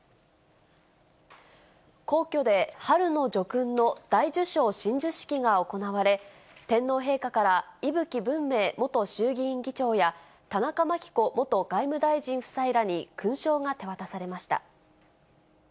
皇居で、春の叙勲の大綬章親授式が行われ、天皇陛下から、伊吹文明元衆議院議長や、田中真紀子元外務大臣夫妻らに勲章が手渡されました。